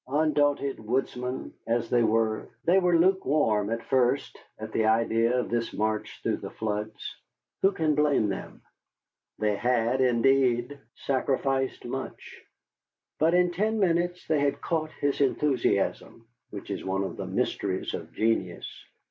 Undaunted woodsmen as they were, they were lukewarm, at first, at the idea of this march through the floods. Who can blame them? They had, indeed, sacrificed much. But in ten minutes they had caught his enthusiasm (which is one of the mysteries of genius).